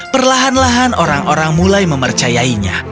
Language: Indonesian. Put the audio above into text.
perlahan lahan orang orang mulai mempercayainya